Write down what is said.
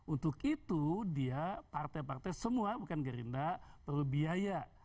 untuk itu dia partai partai semua bukan gerinda perlu biaya